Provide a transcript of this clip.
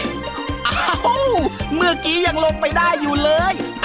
เอ้าเมื่อกี้ยังลงไปได้อยู่เลย